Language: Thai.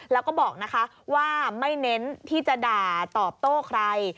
แล้วก็บอกนะคะว่าไม่เน้นที่จะด่าตอบโต้ใคร